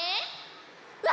うわ！